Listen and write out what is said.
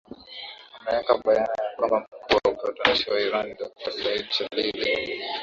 ameweka bayana ya kwamba mkuu wa upatanishi wa iran doctor saidi chelili